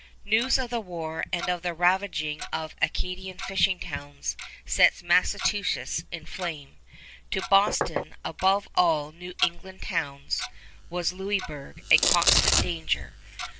News of the war and of the ravaging of Acadian fishing towns set Massachusetts in flame. To Boston, above all New England towns, was Louisburg a constant danger.